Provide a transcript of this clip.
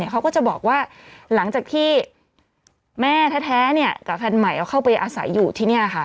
เขาก็จะบอกว่าหลังจากที่แม่แท้กับแฟนใหม่เขาเข้าไปอาศัยอยู่ที่นี่ค่ะ